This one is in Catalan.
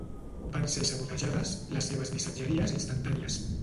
Van ser sabotejades les seves missatgeries instantànies.